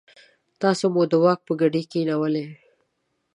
تاسو مو د واک په ګدۍ کېنولئ.